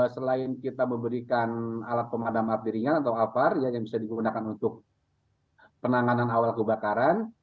selain kita memberikan alat pemadam api ringan atau apar yang bisa digunakan untuk penanganan awal kebakaran